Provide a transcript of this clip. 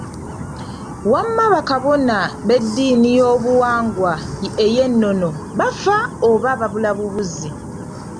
Wamma bakabona b'eddiini y'obuwangwa eyennono bafa oba babulabubuzi?